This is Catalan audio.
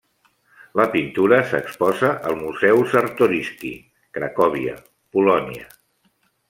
La pintura s'exposa al Museu Czartoryski, Cracòvia, Polònia.